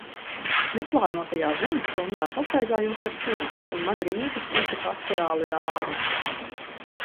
Neplānotajā Zemes stundā pastaigājos ar suni, un man Rīga šķita pastorāli rāma.